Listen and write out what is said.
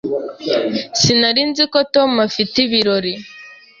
Sinari nzi ko Tom afite ibirori.